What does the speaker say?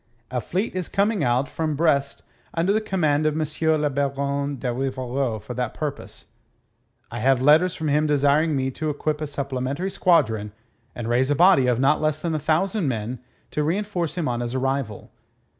A fleet is coming out from Brest under the command of M. le Baron de Rivarol for that purpose. I have letters from him desiring me to equip a supplementary squadron and raise a body of not less than a thousand men to reenforce him on his arrival.